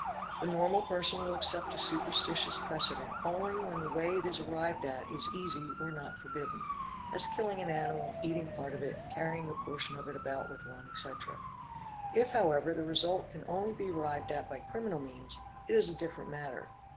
The normal person will accept a superstitious precedent only when the way it is arrived at is easy or not forbidden, as killing an animal, eating part of it, carrying a portion of it about with one, etc. If however the result can only be arrived at by criminal means, it is a different matter.